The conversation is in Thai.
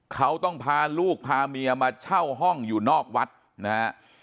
เขาต้องพาลูกพาเมียมาเช่าห้องอยู่นอกวัดนะฮะ